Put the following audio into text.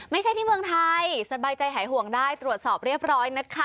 ไม่ใช่ที่เมืองไทยสบายใจหายห่วงได้ตรวจสอบเรียบร้อยนะคะ